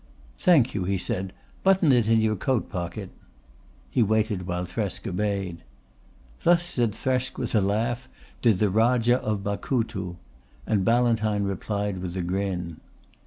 "Thank you," he said. "Button it in your coat pocket." He waited while Thresk obeyed. "Thus," said Thresk with a laugh, "did the Rajah of Bakutu," and Ballantyne replied with a grin.